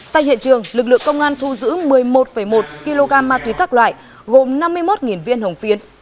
tại hiện trường lực lượng công an thu giữ một mươi một một kg ma túy các loại gồm năm mươi một viên hồng phiến